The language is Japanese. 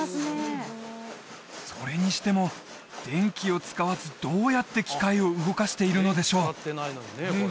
それにしても電気を使わずどうやって機械を動かしているのでしょう？